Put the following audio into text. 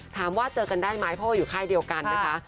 ถามว่าเจอกันได้ไหมเพราะว่าอยู่ค่ายเดียวกันนะคะ